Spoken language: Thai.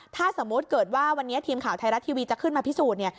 ถ้าสมมุติเกิดว่าวันนี้ทีมข่าวไทยรัฐทีวีจะขึ้นมาพิสูจน์เนี่ย